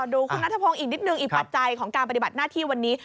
ดูคุณนัทพงศ์อีกนิดนึงอีกปัจจัยของการปฏิบัติหน้าที่วันนี้